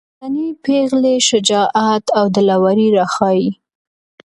د پښتنې پېغلې شجاعت او دلاوري راښايي.